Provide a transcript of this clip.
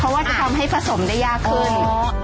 เพราะว่าจะทำให้ผสมได้ยากขึ้น